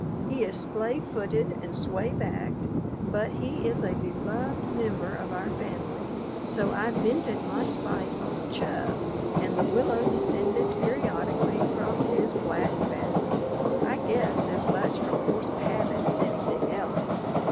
He is splay footed and sway backed, but he is a beloved member of our family, so I vented my spite on Chub, and the willow descended periodically across his black back, I guess as much from force of habit as anything else.